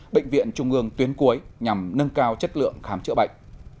bệnh viện trung ương tuyến cuối nhằm nâng cao chất lượng khám chữa bệnh